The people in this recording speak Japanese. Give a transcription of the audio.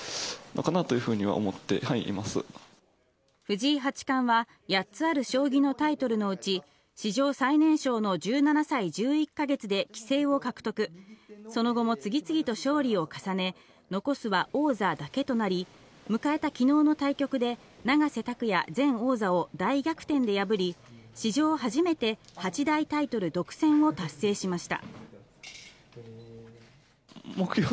藤井八冠は８つある将棋のタイトルのうち、史上最年少の１７歳１１か月で棋聖を獲得、その後も次々と勝利を重ね、残すは王座だけとなり、迎えたきのうの対局で永瀬拓矢前王座を大逆転で破り、史上初めて八大タイトル独占を達成しました。